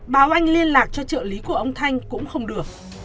báo anh liên lạc cho trợ lý của ông thanh cũng không được